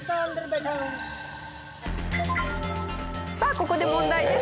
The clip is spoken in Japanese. ここで問題です。